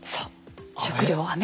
食料はね。